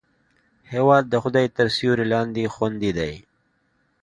هېواد د خدای تر سیوري لاندې خوندي دی.